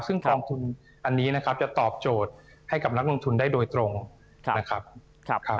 ซึ่งกองทุนอันนี้นะครับจะตอบโจทย์ให้กับนักลงทุนได้โดยตรงนะครับ